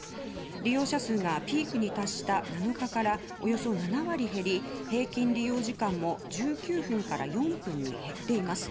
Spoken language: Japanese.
利用者数がピークに達した７日からおよそ７割減り平均利用時間も１９分から４分に減っています。